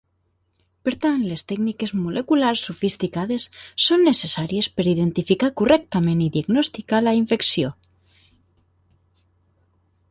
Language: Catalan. Per tant, les tècniques moleculars sofisticades són necessàries per identificar correctament i diagnosticar la infecció.